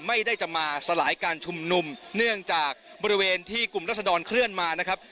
ไม่ได้จะมาสลายการชุมนุมเนื่องจากบริเวณที่กลุ่มรัศดรเคลื่อนมานะครับ